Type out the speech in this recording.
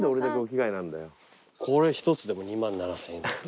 これ一つでもう２万７，０００円。